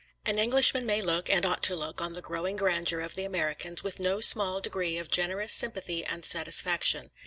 ] An Englishman may look, and ought to look, on the growing grandeur of the Americans with no small degree of generous sympathy and satisfaction.